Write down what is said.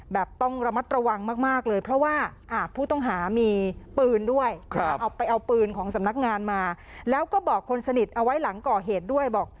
ต้องระมัดระวังมากเลยเพราะว่าผู้ต้องหามีปืนด้วยเอาไปเอาปืนของสำนักงานมาแล้วก็บอกคนสนิทเอาไว้หลังก่อเหตุด้วยบอก